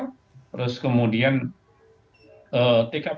jadi sopir sama kene mengalami luka dan meninggal